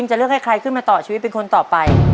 จะเลือกให้ใครขึ้นมาต่อชีวิตเป็นคนต่อไป